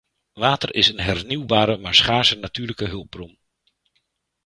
Water is een hernieuwbare maar schaarse natuurlijke hulpbron.